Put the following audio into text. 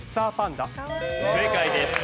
正解です。